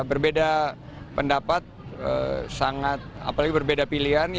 berbeda pendapat sangat apalagi berbeda pilihan